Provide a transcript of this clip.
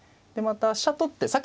でまた飛車取って。